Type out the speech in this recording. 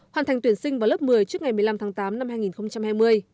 hoàn thành tuyển sinh vào lớp một mươi trước ngày một mươi năm tháng tám năm hai nghìn hai mươi